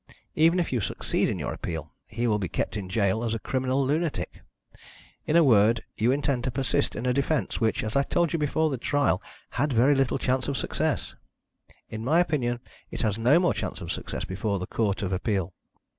Even if you succeed in your appeal he will be kept in gaol as a criminal lunatic. In a word, you intend to persist in a defence which, as I told you before the trial, had very little chance of success. In my opinion it has no more chance of success before the Court of Appeal.